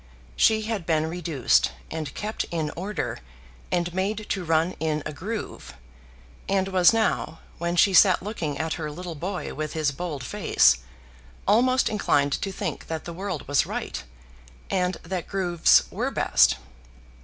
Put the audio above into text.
She had been reduced, and kept in order, and made to run in a groove, and was now, when she sat looking at her little boy with his bold face, almost inclined to think that the world was right, and that grooves were best.